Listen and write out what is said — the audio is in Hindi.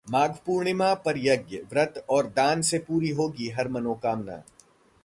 माघ पूर्णिमा पर यज्ञ, व्रत और दान से पूरी होगी हर मनोकामना